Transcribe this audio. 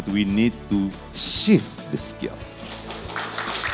tapi kita harus mengubah kemahiran